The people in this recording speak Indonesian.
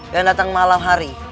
yang datang malam hari